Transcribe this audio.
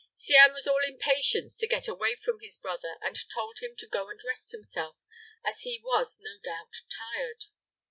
Cianne was all impatience to get away from his brother, and told him to go and rest himself, as he was no doubt tired.